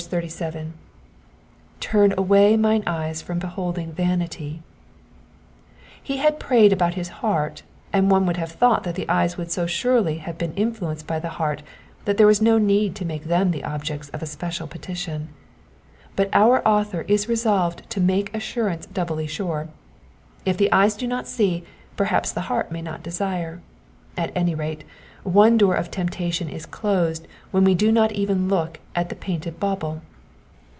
^*'Tum away mine eyes from beholding vanity,''^ He had prayed about his heart, and one would have thought that the eyes would so surely have been influenced by the heart that there was no need to make them the objects of a special petition ; but our author is resolved to make assurance doubly sure. If the eyes do not see, perhaps the heart may not desire : at any rate, one door of temptation is closed when we do not even look at the piainted bauble.